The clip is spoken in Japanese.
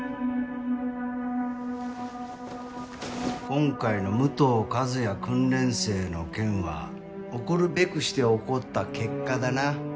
今回の武藤一哉訓練生の件は起こるべくして起こった結果だな。